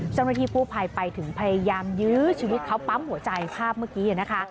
เจ้าหน้าที่กู้ภัยไปถึงพยายามยื้อชีวิตเขาปั๊มหัวใจภาพเมื่อกี้นะคะ